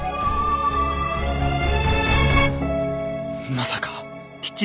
まさか。